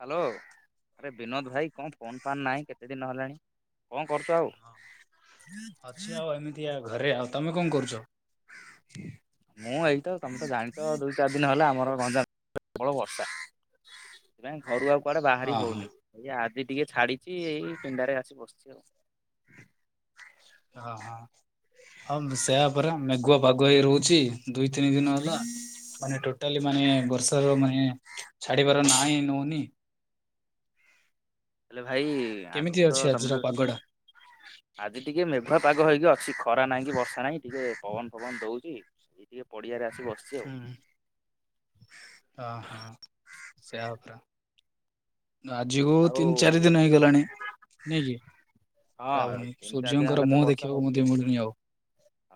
Hello ଆରେ ବିନୋଦ ଭାଇ କଣ ଫୋନ୍ ଫାନ୍ ନାହିଁ କେତେ ଦିନ ହେଲାଣି କଣ କରୁଛ ଆଉ। [inaudible] ଏୟା ଏମିତିଆ ଆଉ ଘରେ ଆଉ ତମେ କଣ କରୁଛ। ମୁଁ ଏଇତ ତମେ ତ ଜାଣିଛ ଆଉ ଦୁଇ। ଦି ଚାରି ଦିନ ହେଲା ଆମର ଗଞ୍ଜାମ ପ୍ରବଳ ବର୍ଷା ସେଥିପାଇଁ ଘରୁ ଆଉ କୁଆଡ଼େ ବାହାରି ହଁ ହଁ ହଉନି। ଏଇ ଆଜି ଟିକେ ଛାଡିଛି ଏଇ ପିଣ୍ଡାରେ ଆସି ବସିଛି ଆଉ। ହଁ ହଁ। ହଁ ସେୟାପରା ମେଘୁଆ ପାଗ ହେଇ ରହୁଛି ଦୁଇ ତିନି ଦିନ ହେଲା। ମାନେ ଟୋଟାଲି ମାନେ ବର୍ଷା ର ମାନେ ଛାଡିବାର ନା ହିଁ ନଉନି। ହେଲେ ଭାଇ କେମିତି ଆଗକୁ ତ ଅଛି ଆଜିର ସମସ୍ତେ। ପାଗଟା? ଆଜି ଟିକେ ମେଘୁଆ ପାଗ ହେଇକି ଅଛି ଖରା ନାହିଁ କି ବର୍ଷା ନାହିଁ ଟିକେ ପବନ ଫବନ ଦଉଛି। ଏଇ ଟିକେ ପଡିଆରେ ଆସି ବସିଛି ଆଉ। ହ ହଁ ସେଆପରା। ଆଜିକୁ ତିନି ଚାରି ଦିନ ହେଇଗଲାଣି ନାଇଁ କି। ଆଉ ହଁ ତିନି ଚାରି ଦିନ ହେଲା ସୂର୍ଯ୍ୟଙ୍କର ତ ମୁହଁ ବର୍ଷା ଦେଖିବାକୁ ହଉଛି ମଧ୍ୟ ମିଳୁନି ଆଉ।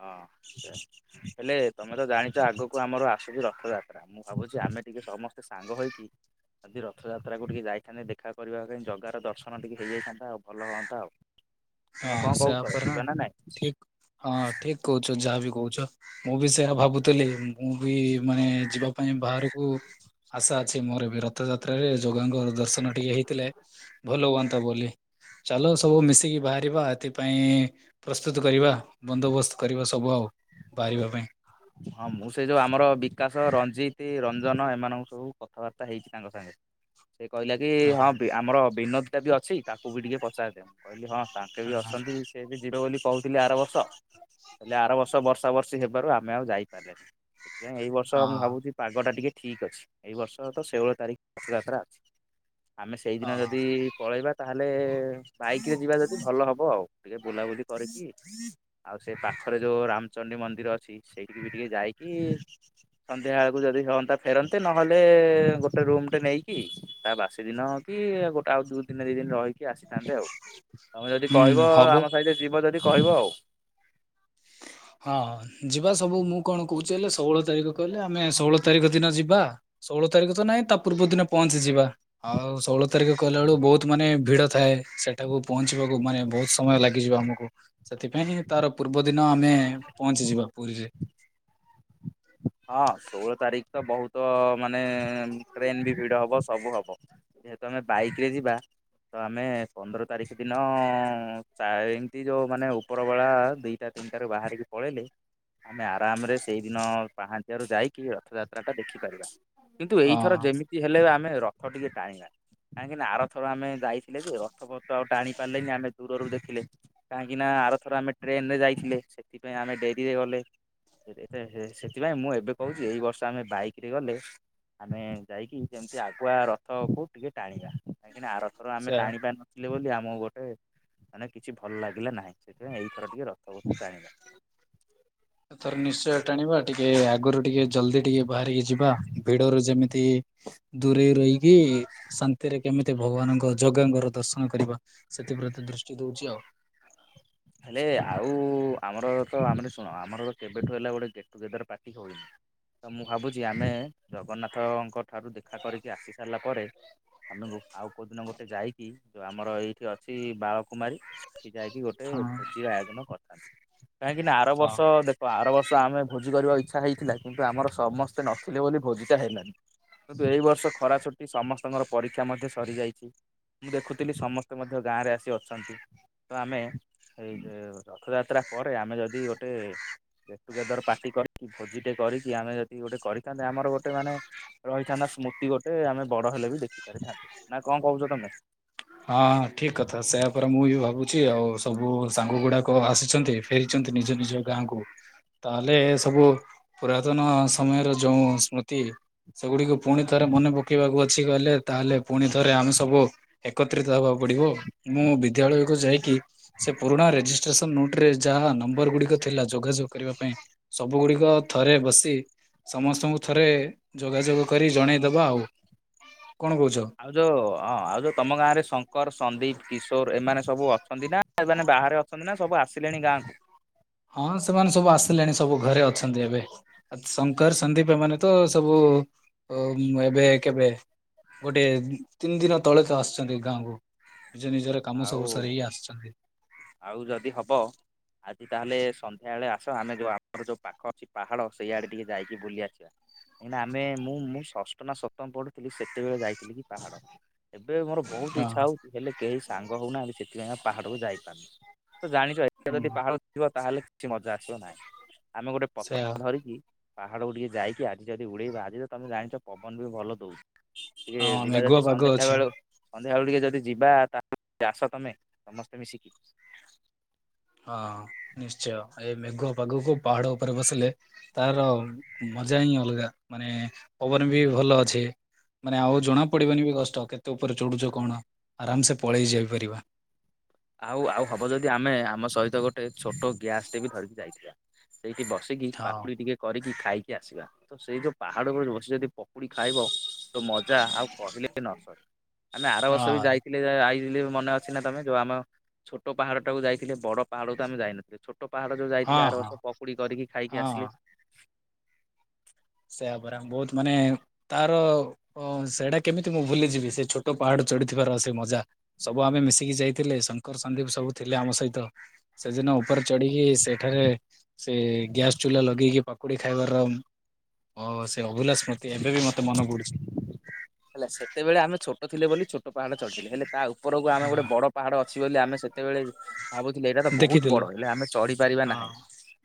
ହଁ ହେଲେ ତମେ ତ ଜାଣିଛ ଆଗକୁ ଆମର ଆସୁଛି ରଥଯାତ୍ରା। ମୁଁ ଭାବୁଛି ଆମେ ଟିକେ ସମସ୍ତେ ସାଙ୍ଗ ହେଇକି ଯଦି ରଥଯାତ୍ରାକୁ ଟିକେ ଯାଇଥାନ୍ତେ ଦେଖି। ଦେଖା କରିବା ପାଇଁ ଜଗାର ଦର୍ଶନ ଟିକେ ହେଇଯାଇଥାନ୍ତା ଆଉ ଭଲ ହନ୍ତା ଆଉ। ହଁ ତମେ କଣ ସେୟା କହୁଛ ପରା ଯିବା ନା ନାଇଁ ଠିକ୍ ହଁ ଠିକ୍। କହୁଛ ଯାହା ବି କହୁଛ ମୁଁ ବି ସେୟା ଭାବୁଥିଲି ମୁଁ ବି। ମାନେ ଯିବା ପାଇଁ ବାହାରକୁ ଆଶା ଅଛି ମୋର ବି ର ରଥଯାତ୍ରାରେ ଯୋଗାଙ୍କ ଦର୍ଶନ ଟିକେ ହେଇଥିଲେ। ଭଲ ହୁଅନ୍ତା ବୋଲି ଚାଲ ସବୁ ମିଶିକି ବାହା। ବା ଏଥିପାଇଁ ପ୍ରସ୍ତୁତ କରିବା ବନ୍ଦୋବସ୍ତ କରିବା ସବୁ ଆଉ ବାହାରିବା ପାଇଁ। ହଁ ମୁଁ ସେ ଯୋଉ ଆମର ବିକାଶ ରଞ୍ଜିତ ରଞ୍ଜନ ଏମାନଙ୍କୁ ସବୁ କଥାବାର୍ତ୍ତା ହେଇଛି ତାଙ୍କ ସାଙ୍ଗେ। ସେ କହିଲା କି ହଁ ଆମର ବିନୋଦ ଟା ବି ଅଛି ତାକୁ ବି ଟିକେ ପଚାରିଦଉ କହିଲି ହଁ। ତାଙ୍କେ ହଁ ବି ହଁ ଅଛନ୍ତି ସେ ବି ଯିବ ବୋଲି କହୁଥିଲେ ଆର ବର୍ଷ ହେଲେ ଆର ବର୍ଷ ବର୍ଷା ବର୍ଷୀ ହେବାରୁ ଆ ଆମେ ଆଉ ଯାଇପାରିଲେନି ସେଥିପାଇଁ ଏଇ ବର୍ଷ ମୁଁ ଭାବୁଛି ପାଗଟା ଟିକେ ଠିକ୍ ଅଛି ଏଇ ବର୍ଷ ତ ଷୋହଳ ତାରିଖ ରଥଯାତ୍ରା ଅଛି। ଆମେ ସେଇଦିନ ହଁ ଯଦି ପଳେଇବା ତାହେଲେ ବାଇକ ରେ ଯିବା ଯଦି ଭଲ ହବ ଆଉ। ଟିକେ ବୁଲାବୁଲି କରିକି ଆଉ ସେ ପାଖରେ ଯୋଉ ରାମଚଣ୍ଡୀ ମନ୍ଦିର ଅଛି ସେଇଠିକି ବି ଟିକେ ଯାଇକି ସନ୍ଧ୍ୟା ବେଳକୁ ଯଦି ହୁଅନ୍ତା ଫେରନ୍ତେ ନହେଲେ ଗୋଟେ ରୁମ ଟେ ନେଇକି ତା ବାସି ଦିନ ହଉ କି ଗୋଟେ ଆଉ ଦି ଦିନ ଦି ଦିନ ରହିକି ଆସିଥାନ୍ତେ ଆଉ। ତମେ ଯଦି ହୁଁ କହିବ ହବ ଆମ ସହିତ ଯିବ ଯଦି କହିବ ଆଉ। ହଁ ଯିବା ସବୁ ମୁଁ କଣ କହୁଛି ହେଲେ ଷୋହଳ ତାରିଖ କହିଲେ ଆମେ ଷୋହଳ ତାରିଖ ଦିନ ଯିବା। ଷୋହଳ ତାରିଖ ତ ନାଇଁ ତା ପୂର୍ବ ଦିନ ପହଞ୍ଚି ଯିବା ଆଉ ଷୋହଳ ତାର କଲା ବେଳ ବହୁତ ମାନେ ଭିଡ ଥାଏ ସେଠ ସେଠାକୁ ପହଞ୍ଚିବାକୁ ମାନେ ବହୁତ ସମୟ ଲାଗିଯିବ ଆମକୁ ସେଥିପାଇଁ ତାର ପୂର୍ବ ଦିନ ଆମେ- ପହଞ୍ଚିଯିବା ପୁରୀରେ। ହଁ ଷୋହଳ ତାରିଖ ତ ବହୁତ ମାନେ ଟ୍ରେନ ବି ଭିଡ ହବ ସବୁ ହବ। ଯେହେତୁ ଆମେ ବାଇକ ରେ ଯିବା। ତ ଆମେ ପନ୍ଦର ତାରିଖ ଦିନ ଏମିତି ଯୋଉ ମାନେ ଉପରବେଳା ଦ ଦିଟା ତିନିଟାରୁ ବାହାରିକି ପଳେଇଲେ ଆମେ ଆରାମରେ ସେଇଦିନ ପାହାଞ୍ଚଆରୁ ଯାଇକି ରଥଯାତ୍ରା ଟା ଦେଖିପାରିବା କିନ୍ତୁ ହଁ ଏଇଥର ଯେମିତି ହେଲେ ଆମେ ରଥ ଟିକେ ଟାଣିବା କାହିଁକିନା ଆରଥର ଆମେ ଯାଇଥା ଥେଲୁ ରଥପତ ଆଉ ଟାଣି ପାରିଲେନି ଆମେ ଦୂରରୁ ଦେଖିଲେ କାହିଁକି ନା ଆର ଥର ଆମେ ଟ୍ରେନ ରେ ଯାଇଥିଲେ ସେଥିପାଇଁ ଆମେ ଡେରିରେ ଗଲେ। [unintelligible] ସେଥିପାଇଁ ମୁଁ ଏବେ କହୁଛି ଏଇ ବର୍ଷ ଆମେ ବାଇକ ରେ ଗଲେ ଆମେ ଯାଇକି ଯେମତି ଆଗୁଆ ରଥକୁ ଟିକେ ଟାଣିବା କାହିଁକି ନା ଆର ଥର ସେ ଆମେ ଟାଣିି ପାରିନଥିଲେ ବୋଲି ଆମକୁ ଗୋଟେ ମାନେ କିଛି ଭଲ ଲାଗିଲା ନାହିଁ ସେଥିପାଇଁ ଏଇଥର ଟିକେ ରଖ। ସବୁ ତୁ ଟାଣିବା। ଥର ନିଶ୍ଚୟ ଟାଣିବା ଟିକେ ଆଗରୁ ଟିକେ ଜଲଦି ଟିକେ ବାହାରିକି ଯିବା ଭିଡରୁ ଯେମିତି ଦୂରେଇ ରହିକି ଶାନ୍ତିରେ କେମିତି ଭଗବାନଙ୍କ ଜଗାଙ୍ଗର ଦର୍ଶନ କରିବା। ସେଥିପ୍ରତି ଦୃଷ୍ଟି ଦଉଛି ଆଉ। ହେଲେ ଆଉ ଆମର ତ ଆମେ ଶୁଣ ଆମର କେବେଠୁ ହେଲା ଗୋଟେ ଗେଟ ଟୁଗେଦର ପାର୍ଟି [unintelligible] ତ ମୁଁ ଭାବୁଛି ଆମେ ଜଗନ୍ନାଥଙ୍କ ଠାରୁ ଦେଖା କରିକି ଆସି ସାରିଲା ପରେ ଆମେକୁ ଆଉ କୋଉ ଦିନ ଗୋଟେ ଯାଇକି ଯୋଉ ଆମର ଏଇଠି ଅଛି ବାଳକୁମାରୀ ଖି ଯାଇକି ଗୋଟେ ହଁ ଭୋଜି ଆୟୋଜନ କରିଥାନ୍ତି କାହିଁକି ନା ଆର ହଁ। ବର୍ଷ ଦେଖ ଆର ବର୍ଷ ଆମେ ଭୋଜି କରିବା ଇଚ୍ଛା ହେଇଥିଲା କିନ୍ତୁ ଆମର ସମସ୍ତେ ନଥିଲେ ବୋଲି ଭୋଜିଟା ହେଲାନି। କିନ୍ତୁ ଏଇ ବର୍ଷ ଖରା ଛୁଟି ସମସ୍ତଙ୍କର ପରୀକ୍ଷା ମଧ୍ୟ ସରିଯାଇଛି। ମୁଁ ଦେଖୁଥିଲି ସମସ୍ତେ ମଧ୍ୟ ଗାଁରେ ଆସି ଅଛନ୍ତି ତ ଆମେ ଏଇ ଯେ ରଥଯାତ୍ରା ପରେ ଆମେ ଯଦି ଗୋଟେ ଗେଟ ଟୁଗେଦର ପାର୍ଟି କରି ଭୋଜି ଟେ କରିକି ଆମେ ଯଦି ଗୋଟେ କରିଥାନ୍ତେ ଆମର ଗୋଟେ ମାନେ ରହିଥାନ୍ତା ସ୍ମୃତି ଗୋଟେ। ସେ ଆମେ ବଡ ହେଲେ ବି ଦେଖିପାରିଥାନ୍ତି ନା କଣ କହୁଛ ତମେ? ହଁ ଠିକ କଥା ସେୟପରେ ମୁଁ ବି ଭାବୁଛି ଆଉ ସବୁ ସାଙ୍ଗ ଗୁଡାକ ଆସିଛନ୍ତି। ଫେରିଛନ୍ତି ନିଜ ନିଜ ଗାଁକୁ। ତାହେଲେ ସବୁ ପୁରାତନ ସମୟର ଯୋଉ ସ୍ମୃତି ସେଗୁଡିକୁ ପୁଣି ଥରେ ମନେ ପକେଇବାକୁ ଅଛି। କିଠ କଲେ ତାହେଲେ ପୁଣି ଥରେ ଆମେ ସବୁ ଏକତ୍ରିତ ହେବାକୁ ପଡିବ। ମୁଁ ବିଦ୍ୟାଳୟକୁ ଯାଇକି ସେ ପୁରୁଣା ରେଜିଷ୍ଟ୍ରେସନ ନୋଟ ରେ ଯାହା ନମ୍ବର ଗୁଡିକ ଥିଲା ଯୋଗାଯ କରିବା ପାଇଁ ସବୁ ଗୁଡିକ ଥରେ ବସି ସମସ୍ତଙ୍କୁ ଥରେ ଯୋଗାଯୋଗ କରି ଜଣେଇଦବା ଆଉ କଣ କହୁଛ? ଆଉ ଯୋଉ ହଁ ଆଉ ଯୋଉ ତମ ଗାଁରେ ଶଙ୍କର ସନ୍ଦୀପ କିଶୋର ଏମାନେ ସବୁ ଅଛନ୍ତି ନା ଏମାନେ ବାହାରେ ଅଛନ୍ତି ନା ସବୁ ଆସିଲେଣି ଗାଁକୁ? ହଁ ସେମାନେ ସବୁ ଆସିଲେଣି ସବୁ ଘରେ ଅଛନ୍ତି ଏବେ। ଆ ଶଙ୍କର ସନ୍ଦୀପ ଏମାନେେ ତ ସବୁ ଏବେ କେବେ ଗୋଟେ ତିନି ଦିନ ତଳେ ତ ଆସିଛନ୍ତି ଗାଁକୁ ନିଜ ନିଜର କାମ ସବୁ ଆଉ ସରେଇ ଆସିଛନ୍ତି। ଆଉ ଯଦି ହବ ଆଜି ତାହେଲେ ସନ୍ଧ୍ୟା ବେଳେ ଆସ ଆମେ ଯୋଉ ଆମର ଯୋଉ ପାଖ ଅଛି ପାହାଡ ସେଇଆଡେ ଟିକେ ଯାଇକି ବୁଲି ଆସିବା। ନା ଆମେ ମୁଁ ମୁଁ ଷଷ୍ଠ ନା ସପ୍ତମ ପଢୁଥିଲି ସେତେବେଳେ ଯାଇଥିଲି। ଥିଲ ପାହାଡ ଏବେ ମୋର ବହୁତ ହଁ ଇଚ୍ଛା ହଉଛି ହେଲେ କେହି ସାଙ୍ଗ ହଉନାହାନ୍ତି ସେଥିପାଇଁ ଆ ପାହାଡକୁ ଯାଇପାରୁନି ତ ଜାଣିଛ ଯଦି ହୁଁ ପାହାଡ଼ ବ ତାହେଲେ କିଛି ମଜା ଆସିବ ନାହିଁ ଆମେ ଗୋଟେ ସେୟା ପତ୍ର ଧରିକି ପାହାଡକୁୁ ଟିକେ ଯାଇକି ଆଜି ଯଦି ଉଡ଼େଇବାଜଜି ତମେ ଜାଣିଛ ପବନ ବି ଭଲ ଦୋଉଚି। ଟିକେ ହଁ ଯିବା ମେଘୁଆ ଯଦି ପାଗ ସନ୍ଧ୍ୟା ଅଛି। ବେଳୁ ସନ୍ଧ୍ୟା ବେଳୁ ଟିକେ ଯଦି ଯିବା ତା ଆସ ତମେ ସମସ୍ତେ ମିଶିକି ହଁ ନିଶ୍ଚୟ ଏ ମେଘ ପାଗକୁ ପାହାଡ ଉପରେ ବସିଲେ ତାର ମଜା ହିଁ ଅଲଗା ମାନେ ପବନ ବି ଭଲ ଅଛି। ମାନେ ଆଉ ଜଣା ପଡିବନି ବି କଷ୍ଟ କେତେ ଉପରେ ଚଢୁଛ କଣ ଆରାମ ସେ ପଳେଇ ଯାଇ ପାରିବ। ଆଉ ଆଉ ହବ ଯଦି ଆମେ ଆମ ସହିତ ଗୋଟେ ଛୋଟ ଗ୍ୟାସ୍ ଟେ ବି ଧରିକି ଯାଇଥିବା। ସେଇଠି ବସିକି ହଁ ପାକୁଡି ଟିକେ କରିକି ଖାଇକି ଆସିବା ତ ସେଇ ଯୋଉ ପାହାଡ ଉପରେ ବସି ଯଦି ପକୁଡି ଖାଇବ ତ ମଜା ଆଉ କହିଲେ ନ ସରେ ଆମେ ଆର ହଁ ବର୍ଷ ବି ଯାଇ ଆଇ [inaudible] ମନେ ଅଛି ନା ତମେ ଯୋଉ ଆମ ଛୋଟ ପାହାଡ ଟାକୁ ଯାଇଥିଲେ ବଡ ପାହାଡ ତୁ ଆମେ ଯାଇନଥିଲେ ଛୋଟ ଛୋଟ ପାହାଡ଼ ଯୋଉ ଯାଇଥିଲେ ହଁ ଆର ହଁ ସବ ପକୁଡି କରିକି ଖାଇକି ହଁ। ଆସିଲେ। ସେୟା ମାନେ ବୋହୁତ ମାନେ ତାର ହଁ ସେଇଟା କେମିତି ମୁଁ ଭୁଲିଯିବି ସେ ଛୋଟ ପାହାଡ ଚଢିଥିବାର ସେ ମଜା। ସବୁ ଆମେ ମିଶିକି ଯାଇଥିଲେ ଶଙ୍କର ସନ୍ଦୀପ ସବୁ ଥିଲେ ଆମ ସହିତ। ସେଦିନ ଉପରେ ଚଢିକି ସେଠାରେ ସେ ଗ୍ୟାସ ଚୁଲା ଲଗେଇକି ପାକୁଡି ଖାଇବାର। ଓ ସେ ଅଭିଲସ ସ୍ମୃତି ଏବେ ବି ମତେ ମନ ପୁଡୁଚି। ହେଲେ ସେତେବେଳେ ଆମେ ଛୋଟ ଥିଲେ ବୋଲି ଛୋଟ ପାହାଡେ ଚଢିଥିଲେ, ହେଲେ ତା ଉପରକୁ ଆମେ ହଁ ଗୋଟେ ବଡ ପାହାଡ ଅଛି ବୋଲି ଆମେ ସେତେବେଳେ ଭାବୁଥିଲେ ଏଇଟା ତ ବୋହୁତ ବଡ ଦେଖିଥିଲେ ହେଲେ ଆମେ ଚଢି ପାରିବା ହଁ ନାହିଁ।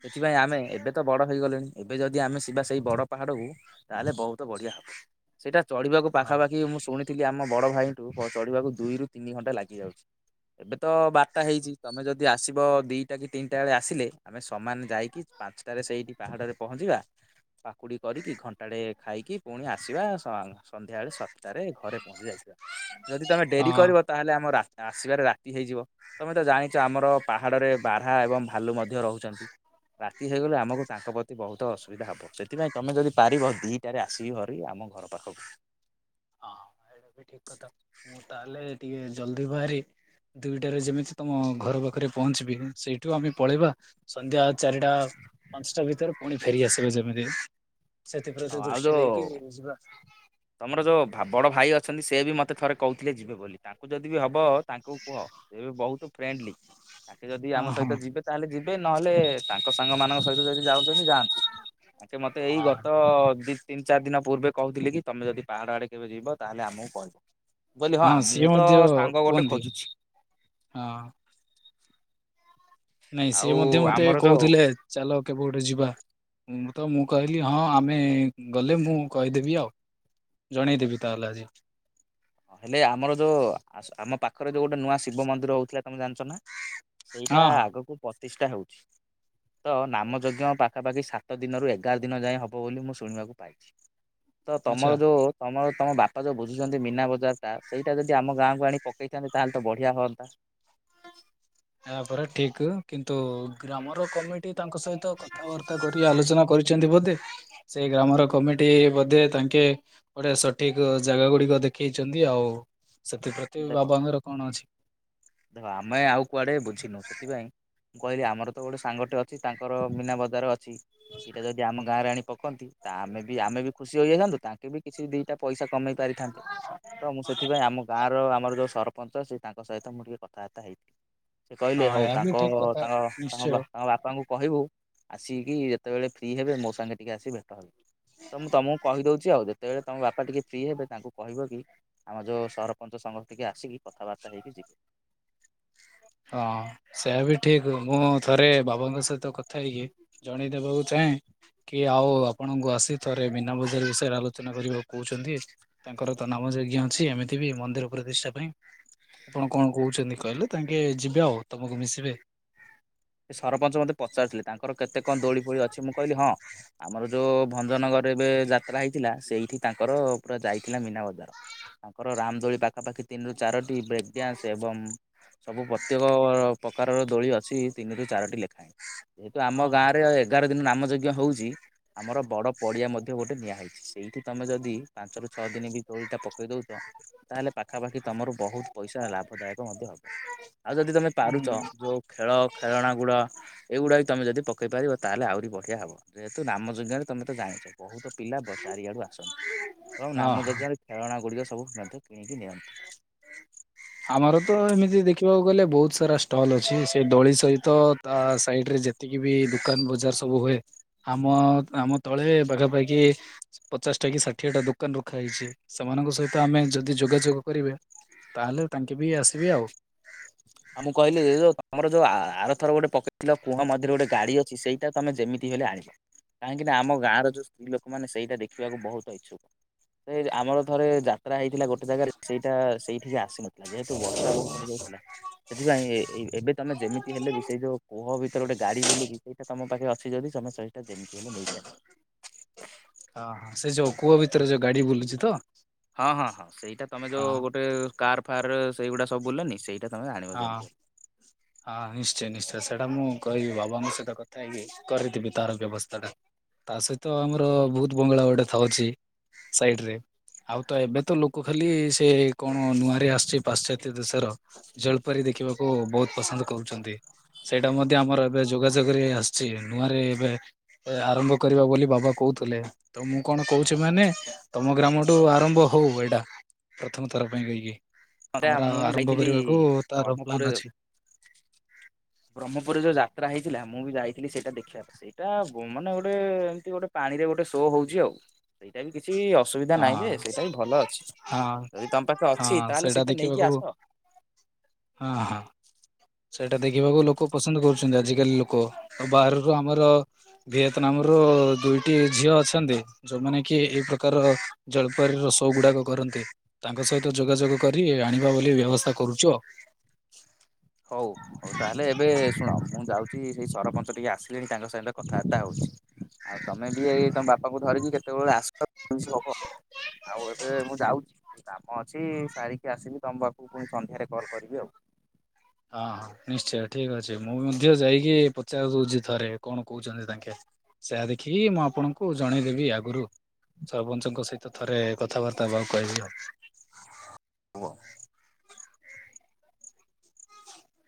ସେଥିପାଇଁ ଆମେ ଏବେ ତ ବଡ ହେଇଗଲେଣି ଏବେ ଯଦି ଆମେ ଯିବା ସେଇ ବଡ ପାହାଡକୁ ତାହେଲେ ବହୁତ ବଢିଆ ହବ ସେଇଟା ଚଢିବାକୁ ହଁ। ପାଖାପାଖି ମୁଁ ଶୁଣିି ଥିଲି ଆମ ବଡ଼ ଭାଇଠୁ ଚଢିବାକୁ ଦୁଇରୁ ତିନି ଘଣ୍ଟା ଲାଗିଯାଉଚି। ଏବେ ତ ବାରଟା ହେଇଛି ତମେ ଯଦି ଆସିବ ଦିଟା କି ତିନିଟା ବେଳେ ଆସିଲେ। ଆମେ ସମାନ ଯାଇକି ପାଞ୍ଚଟାରେ ସେଇଠି ପାହାଡରେ ପହଞ୍ଚିବା ପାକୁଡି କରିକି ଘଣ୍ଟାଡେ ଖାଇକି ପୁଣି ଆସିବା ସାଙ୍ଗ ସନ୍ଧ୍ୟା ବେଳେ ସାତଟାରେ ଘରେ ପହଞ୍ଚି ଯାଇଯିବା ଯଦି ତମେ ଡେରି ହଁ କରିବ ତାହେଲେ ଆମ ଆସିବାରେ ରାତି ହେଇଯିବ ତମେ ତ ଜାଣିଛ ଆମର ପାହାଡ଼ରେ ବାରା ଏବଂ ଭାଲୁ ମଧ୍ୟ ରହୁଛନ୍ତି। ରାତି ହେଇଗଲେ ଆମକୁ ତାଙ୍କ ପ୍ରତି ବହୁତ ଅସୁବିଧା ହବ। ସେଥିପାଇଁ ତମେ ଯଦି ପାରିବ ଦିଟାରେ ଆସିକି ହରିିକ ଆମ ଘର ପାଖକୁ ହଁ ଏଇଟା ବି ଠିକ କଥା ମୁଁ ତାହେଲେ ଟିକେ ଜଲ୍ଦି ବାହାରି ଦିଇଟାରେ ଯେମିତି ତମ ଘର ପାଖରେ ପହଞ୍ଚିବି ସେଇଠୁ ଆମେ ପଳେଇବୁ ସନ୍ଧ୍ୟା ଚାରିଟା ପାଞ୍ଚଟା ଭିତରେ ପୁଣି ଫେରିଆସିବେ ଯେମିତି। ହଁ ସେଥିପ୍ରତି ଆଉ ଦୃଷ୍ଟି ଯୋଉ ଦେଇକିି ଯିବା। ତମର ଯୋଉ ଭା ବଡ଼ ଭାଇ ଅଛନ୍ତି ସେ ବି ମତେ ମତେ ଥରେ କହୁଥିଲେ ଯିବେ ବୋଲି ତାଙ୍କୁ ଯଦି ବି ହବ ତାଙ୍କୁ କୁହ ସେ ବହୁତ ଫ୍ରେଣ୍ଡଲି। ତାଙ୍କେ ଯଦି ହଁ ଆମ ହଁ ସହିତ ଯିବେ ତାହେଲେ ଯିବେ ନହେଲେ। ତାଙ୍କ ସାଙ୍ଗ ମାନଙ୍କ ସହିତ ଯଦି ଯାଉଛନ୍ତି ଯାଆନ୍ତୁ ତାଙ୍କେ ମତେ ଏଇ। ହଁ ତ ଦି ତିନି ଚାରି ଦିନ ପୂର୍ବେ କହୁଥିଲି କି ତମେ ଯଦି ପାହାଡ ଆଡେ କେବେ ଯିବ ତାହେଲେ ଆମକୁ କହିବ। କହିଲି ହଁ ସିଏ ମୁଁ ତ ମଧ୍ୟ ସାଙ୍ଗ ଗୋଟେ କୁହନ୍ତି ଖୋଜୁଛି। ହଁ। ନାଇଁ ସେଏ ଆଉ ମଧ୍ୟ ମତେ ଆମର ଯୋଉ କହୁଥିଲେ ଚାଲ କେବେ ଗୋଟେ ଯିବା। ମୁଁ ତ ମୁଁ କହିଲି ହଁ ଆମେ ଗଲେ ମୁଁ କହିଦେବି ଆଉ। ଜଣେଇଦେବି ତାହେଲେ ଆଜି। ହେଲେ ଆମର ଯୋଉ ଆମ ପାଖରେ ଯୋଉ ଗୋଟେ ନୂଆ ଶିବ ମନ୍ଦିର ହଉଥିଲା ତମେ ଜାଣିଛ ନା। ହଁ ସେଇଟା ହଁ ଆଗକୁ ପ୍ରତିଷ୍ଠା ହଉଛି। ତ ନାମଯଜ୍ଞ ପାଖାପାଖି ସାତ ଦିନରୁ ଏଗାର ଦିନ ଯାଏଁ ହବ ବୋଲି ମୁଁ ଶୁଣିବାକୁ ପାଇ ତ ଆଚ୍ଛା ତମର ଯୋଉ ତମର ତମ ବାପା ଯୋଉ ବୁଝୁଛନ୍ତି ମୀନା ବ ସେଇଟା ଯଦି ଆମ ଗାଁକୁ ଆଣି ପକେଇଥାନ୍ତ ତାହେଲେ ତ ବଢିଆ ହଅନ୍ତା। ଏହାପରା ଠିକ କିନ୍ତୁ ଗ୍ରାମର କମ ଟି ତାଙ୍କ ସହିତ କଥାବାର୍ତ୍ତା କରି ଆଲୋଚନା କରିଛନ୍ତି ବୋଧେ ସେ ଗ୍ରାମର କମିଟି ବୋଧେ ତାଙ୍କେ। ଗୋଟେ ସଠିକ ଜାଗା ଗୁଡିକ ଦେଖେଇଛନ୍ତି ଆଉ ସେଥିପ୍ରତି ଦେଖ ବାବାଙ୍କର କଣ ଅଛି। ଦେଖ ଆମେ ଆଉ କୁଆଡେ ବୁଝିନୁ ସେଥିପାଇଁ ମୁଁ କହିଲି ଆମର ତ ଗୋଟେ ସାଙ୍ଗଟେ ଅଛି। ଅ ତାଙ୍କର ମୀନା ବଜାର ଅଛି ସେଇଟା ଯଦି ଆମ ଗାଁରେ ଆଣି। ପକାନ୍ତି ତା ଆମେ ବି ଆମେ ବି ଖୁସି ହୋଇଆସନ୍ତୁ ତାଙ୍କେ ବି କିଛି ଦୁଇଟା ପଇସା କମେଇ ପାରିଥାନ୍ତେ ତ ମୁଁ ସେଥିପାଇଁ ଆମ ଗାଁ ର ଆମର ଯୋଉ ସରପଞ୍ଚ ସେ ତାଙ୍କ ସହିତ ମୁଁ ଟିକେ କଥାବାର୍ତ୍ତା ହେଇଥିଲି ସେ କହିଲେ ହଁ ହଉ ଏହା ବି ତାଙ୍କ ଠିକ କଥା ତାଙ୍କ ତାଙ୍କ ନିଶ୍ଚୟ ବାପା। ବାପାଙ୍କୁ କହିବୁ ଆସିକି ଯେତେବେଳେ ଫ୍ରି ହେବେ ମୋ ସାଙ୍ଗେ ଟିକେ ଆସି ଭେଟ ହେବେ। ତ ମୁଁ ତମକୁ କହିଦଉଛି ଆଉ। ଯେତେବେଳେ ତମ ବାପା ଟିକେ ଫ୍ରି ହେବେ ତାଙ୍କୁ କହିବ କି ଆମ ଯେଉଁ ସରପଞ୍ଚ ସଂଘ ଟିକେ ଆସିକି କଥାବାର୍ତ୍ତା ହେଇକି ଯିବେ। ହଁ ସେୟା ବି ଠିକ ମୁଁ ଥରେ ବାବାଙ୍କ ସହିତ କଥା ହେଇକି ୲ ଜଣେଇଦବାକୁ ଚାହେଁ। କିଏ ଆଉ ଆପଣଙ୍କୁ ଆସି ଥରେ ମୀନା ବଜାର ବିଷୟରେ ଆଲୋଚନା କରିବାକୁ କହୁଛନ୍ତି। ତାଙ୍କର ତ ନାମ ଯଜ୍ଞ ଅଛି ଏମିତି ବି ମନ୍ଦିର ପ୍ରତିଷ୍ଠା ପାଇଁ ଆପଣ କଣ କହୁଛନ୍ତି କହିଲେ ତାଙ୍କ ଯିବେ ଆଉ ତମକୁ ମିଶିବେ। ସେ ସରପଞ୍ଚ ମୋତେ ପଚାରୁଥିଲେ ତାଙ୍କର କେତେ କଣ ଦୋଳି ଫୋଳି ଅଛି ମୁଁ କହିଲି ହଁ ଆମର ଯୋଉ ଭଞ୍ଜନଗରରେ ଏବେ ଯାତ୍ରା ହେଇଥିଲା ସେଇଠି ତାଙ୍କର ପୁରା ଯାଇଥିଲା ମୀନା ବଜାର। ତାଙ୍କର ରାମଦୋଳି ପାଖାପାଖି ତିନିରୁ ଚାରୋଟି ବ୍ରେ ଗ୍ୟାସ ଏବଂ ସବୁ ପ୍ରତ୍ୟେକ ପ୍ରକାରର ଦୋଳି ଅଛି ତିନିରୁ ଚାରୋଟି ଲେଖାଏଁ। ଯେହେତୁ ହଁ ଆମ ଗାଁ ହଁ। ରେ। ଏଗାର ଦିନ ନାମଯଜ୍ଞ ହେଉଛି ଆମର ବଡ଼ ପଡ଼ିଆ ମଧ୍ୟ ଗୋଟେ ନିଆ ହେଇଛି ସେଇଠି ତମେ ଯଦି ପାଞ୍ଚ ରୁ ଛଅ ଦିନ ବି ଦୋଳି ଟା ପକେଇ ଦଉଛ। ତାହେଲେ ପାଖାପାଖି ତମର ବହୁତ ପଇସା ଲାଭଦାୟକ ମଧ୍ୟ ହବ। ଆଉ ଯଦି ତମେ ପାରୁଛ ହୁଁ। ଯୋଉ ଖେଳ ଖେଳଣା ଗୁଡା ଏଗୁଡାକ ତମେ ଯଦି ପକେଇ ପାରିବ ତାହେଲେ ଆହୁରି ବଢିଆ ହବ ଯେହେତୁ ନାମଯଜ୍ଞ ରେ ତମେ ତ ଜାଣିଛ। ବହୁତ ପିଲା ଚାରିଆଡୁ ଆସନ୍ତି ତ ହଁ ନାମ ହଁ ଯଜ୍ଞରେ ଖେଳଣା ଗୁଡ଼ିକ ସବୁ ମଧ୍ୟ କିଣିକି ନିଅନ୍ତି। ଆମର ତ ଏମିତି ଦେଖିବାକୁ ଗଲେ ବହୁତ ସାରା ଷ୍ଟଲ ଅଛି ସେ ଦୋଳି ସହିତ ତା ସାଇଡ ରେ ଯେତିକି ବି ଦୁକାନ ବଜାର ସବୁ ହୁଏ। ଆମ ଗ୍ରାମ ତଳେ ପାଖାପାଖି ପଚାଶଟା କି ଷାଠିଏ ଟା ଦୋକାନ ରଖା ହେଇଛି ସେମାନଙ୍କ ସହିତ ଆମେ ଯଦି ଯୋଗାଯୋଗ କରିବେ ତାହେଲେ ତାଙ୍କେ ବି ଆସିବେ ଆଉ। ଆଉ ମୁଁ କହିଲି ଇ ଇ ଯଉ ତମର ଯୋଉ ଆରଥର ଗୋଟେ ପକେଇଥିଲ କୂହ ମଧ୍ୟରେ ଗୋଟେ ଗାଡ଼ି ଅଛି ସେଇ ସେଇଟା ତମେ ଯେମିତି ହେଲେ ଆଣିବ। କାହିଁକି ନା ଆମ ଗାଁର ଯଉ ସ୍ତ୍ରୀ ଲୋକମାନେ ସେଇଟା ଦେଖିବାକୁ ବହୁତ ଇଚ୍ଛୁକ। ଏ ଆମର ଥରେ ଯାତ୍ରା ହେଇଥିଲା ଗୋଟେ ଜାଗାରେ ସେଇଟା ସେଇଠିକି ଆସିନଥିଲା। ଯେହେତୁ ବର୍ଷା ବହୁତ ହେଇଯାଇଥିଲା। ସେଥିପାଇଁ ଏ ଏବେ ତମେ ଯେମିତି ହେଲେ ବି ସେଇ ଯୋଉ କୋହ ଭିତରେ ଗୋଟେ ଗାଡ଼ି ବୁଲୁଚି ସେଇଟା ତମ ପାଖରେ ଅଛି ଯଦି ତମେ ସହି ଯେମିତି ହେଲେ ନେଇକି ଆସିବ। ହଁ ହଁ ସେ ଯୋଉ କୂଅ ଭିତରେ ଯୋଉ ଗାଡ଼ି ବୁଲୁଚି ତ। ହଁ ହଁ ହଁ ସେଇଟା ତମେ ହଁ ଯୋଉ ଗୋଟେ କାର ଫାର ସେଇଗୁଡା ସବୁ ବୁଲେନି ସେଇଟା ତମେ ଆଣିବ ହଁ ଯେମିତି ହେଲେ। ହଁ ନିଶ୍ଚୟ ନିଶ୍ଚୟ ସେଇଟା ମୁଁ କହିବି ବାବାଙ୍କ ସହିତ କଥା ହେଇକି କରେଇ ଦେବି ତାର ବ୍ୟବସ୍ଥା ଟା। ତା ସହିତ ଆମର ବହୁତ ବଙ୍ଗଳା ଗୋଟେ ଥାଉଚି। ସାଇଟ ରେ। ଆଉ ତ ଏବେ ତ ଲୋକ ଖାଲି ସେ କଣ ନୂଆରେ ଆସିଚି ପାଶ୍ଚାତ୍ୟ ଦେଶର ଜଳପରି ଦେଖିବାକୁ ବହୁତ ପସନ୍ଦ କରୁଚନ୍ତି। ସେଇଟା ମଧ୍ୟ ଆମର ଏବେ ଯୋଗାଯୋଗରେ ଆସିଚି ନୂଆରେ ଏବେ ଆରମ୍ଭ କରିବା ବୋଲି ବାବା କହୁଥିଲେ। ତ ମୁଁ କଣ କହୁଚି ମାନେ ତମ ଗ୍ରାମଠୁ ଆରମ୍ଭ ହଉ ଏଇଟା ପ୍ରଥମ ଥର ପାଇଁ କହିକି। ଆରେ ଆମର ମୁଁ ବି ଆରମ୍ଭ ଯାଇଥିଲି କରିବାକୁ ତାର ବ୍ରହ୍ମପୁରରେ ପ୍ଲାନ ଅଛି। ବ୍ରହ୍ମପୁରରେ ଯୋଉ ଯାତ୍ରା ହେଇଥିଲା ମୁଁ ବି ଯାଇଥିଲି ସେଇଟା ଦେଖିବାପାଇଁ। ସେଇଟା ମ ମାନେ ଗୋଟେ ଏମିତି ଗୋଟେ ପାଣି ରେ ଗୋଟେ ଶୋ ହଉଚି ଆଉ। ସେଇଟା ବି କିଛି ଅସୁବିଧା ନାହିଁ ଯେ ହଁ। ସେଇଟା ବି ଭଲ ଅଛି। ହଁ ଯଦି ତମ ପାଖରେ ହଁ ଅଛି ତାହେଲେ ସେଇଟା ନେଇକି ଦେଖିବାକୁ ଆସ। ହଁ ହଁ। ସେଇଟା ଦେଖିବାକୁ ଲୋକେ ପସନ୍ଦ କରୁଚନ୍ତି ଆଜିକାଲି ଲୋକ ଆଉ ବାହାରରୁ ଆମର ଭିଏତନାମରୁ ଦୁଇଟି ଝିଅ ଅଛନ୍ତି। ଯୋଉମାନେ କି ଏଇ ପ୍ରକାରର ଜଲପରୀର ସୋ ଗୁଡାକ କରନ୍ତି। ତାଙ୍କ ସହିତ ଯୋଗାଯୋଗ କରି ଆଣିବା ବୋଲି ବ୍ୟବସ୍ଥା କରୁଚୁ ଆଉ। ହଉ ହଉ ତାହେଲେ ଏବେ ଶୁଣ ମୁଁ ଯାଉ ଚି ସେଇ ସରପଞ୍ଚ ଟିକେ ଆସିଲେଣି ତାଙ୍କ ସହିତ କଥାବାର୍ତ୍ତା ହଉଚି। ଆଉ ତମେ ବି ଏଇ ତମ ବାପାଙ୍କୁ ଧରିକି କେତେବେଳେ ଆସ [unintelligible] ହବ। ଆଉ ଏବେ ମୁଁ ଯାଉଚି ଟିକେ କାମ ଅଛି ସାରିକି ଆସିବି ତମ ପାଖକୁ ପୁଣି ସନ୍ଧ୍ୟାରେ କଲ୍ କରିବି ଆଉ। ହଁ ହ ନିଶ୍ଚୟ ଠିକ ଅଛି ମୁଁ ମଧ୍ୟ ଯାଇକି ପଚାର ଦଉଚି ଥରେ କଣ କହୁଚନ୍ତି ଦେଖେ। ସେୟା ଦେଖିକି ମୁଁ ଆପଣଙ୍କୁ ଜଣେଇଦେବି ଆଗରୁ। ସରପଞ୍ଚଙ୍କ ସହିତ ଥରେ କଥାବାର୍ତ୍ତା ହେବାକୁ କହିବି। କୁହ।